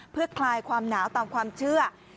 เพื่อคลายความหนาวตามความเชื่อ